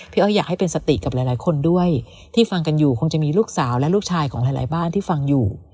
อ้อยอยากให้เป็นสติกับหลายคนด้วยที่ฟังกันอยู่คงจะมีลูกสาวและลูกชายของหลายบ้านที่ฟังอยู่